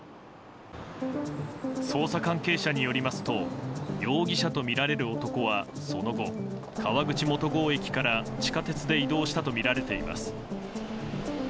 捜査関係者によりますと容疑者とみられる男はその後、川口元郷駅から地下鉄で移動したとみられています。